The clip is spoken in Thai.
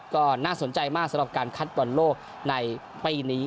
ก็น่าสนใจมากสำหรับการคัดบอลโลกในปีนี้